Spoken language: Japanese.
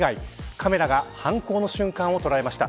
カメラが犯行の瞬間を捉えました。